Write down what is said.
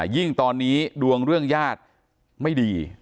ยิ่งตอนนี้ดวงเรื่องญาติไม่ดี